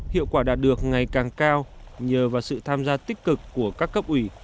hiệu quả đạt được ngày càng cao nhờ vào sự tham gia tích cực của các cấp ủy